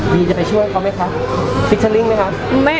บีจะไปช่วยเขาไหมคะ